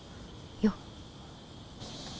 よっ。